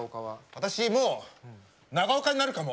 私もう長岡になるかも。